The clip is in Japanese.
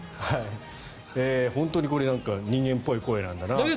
本当にこれ人間っぽい声なんだなという。